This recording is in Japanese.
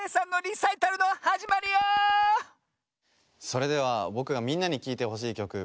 それではぼくがみんなにきいてほしいきょく